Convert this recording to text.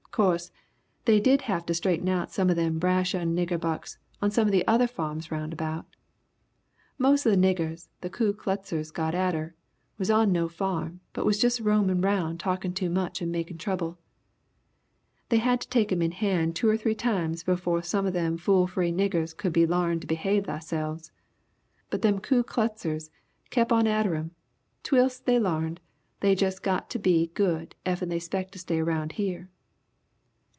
'Course, they did have to straighten out some of them brash young nigger bucks on some of the other farms round about. Mos' of the niggers the Ku Kluxers got atter was'n on no farm, but was jus' roamin' 'round talkin' too much and makin' trouble. They had to take 'em in hand two or three times befo' some of them fool free niggers could be larned to behave theyselfs! But them Ku Kluxers kept on atter 'em twels't they larned they jus got to be good effen they 'spects to stay round here.